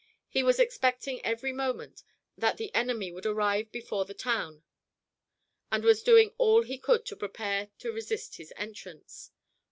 He was expecting every moment that the enemy would arrive before the town, and was doing all he could to prepare to resist his entrance.